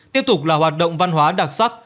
tiếp tục là hoạt động văn hóa đặc sắc